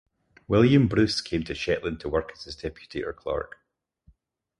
William Bruce came to Shetland to work as his deputy or clerk.